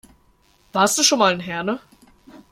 Warst du schon mal in Herne?